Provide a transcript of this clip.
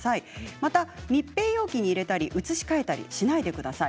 また密閉容器に入れたり移し替えたりしないでください。